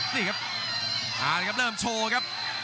นี่ครับเริ่มโชว์ครับ